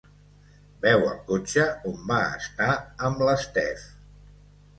Veu el cotxe on va estar amb l'Steph.